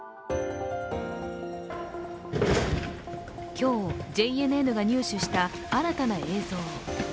今日、ＪＮＮが入手した新たな映像。